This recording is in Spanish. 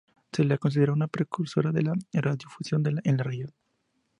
Se la considera una precursora de la radiodifusión en la región.